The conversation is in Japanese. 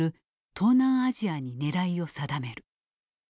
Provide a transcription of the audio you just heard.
東南アジアに狙いを定める。